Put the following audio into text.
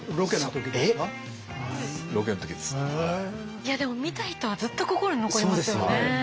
いやでも見た人はずっと心に残りますよね。